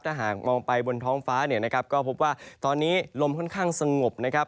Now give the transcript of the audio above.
ถ้าหากมองไปบนท้องฟ้าเนี่ยนะครับก็พบว่าตอนนี้ลมค่อนข้างสงบนะครับ